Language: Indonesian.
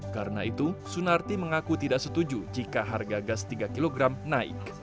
karena itu sunarti mengaku tidak setuju jika harga gas tiga kg naik